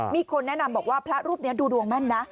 มีคนแนะนำบอกว่าพระรูปนี้ดูดวงแม่นนะ